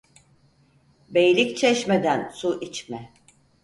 Beylik çeşmeden su içme.